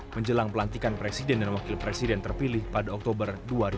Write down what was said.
menjelang pelantikan presiden dan wakil presiden terpilih pada oktober dua ribu dua puluh